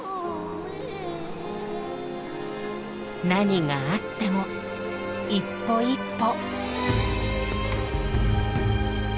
何があっても一歩一歩。